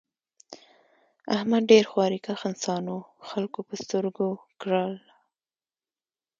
احمد ډېر خواریکښ انسان و خلکو په سترگو کړلا.